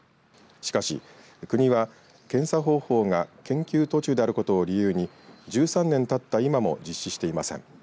しかし、国は検査方法が研究途中であることを理由に１３年たった今も実施していません。